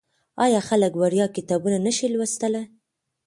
آیا خلک وړیا کتابونه نشي لوستلی؟